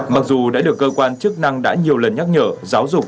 mặc dù đã được cơ quan chức năng đã nhiều lần nhắc nhở